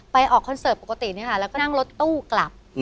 ออกคอนเสิร์ตปกติแล้วก็นั่งรถตู้กลับ